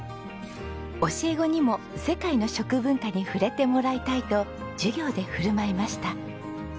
教え子にも世界の食文化に触れてもらいたいと授業で振る舞いました。